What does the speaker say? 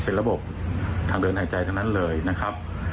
เป็นระบบทางเดินหายใจทั้งนั้นเลยนะครับ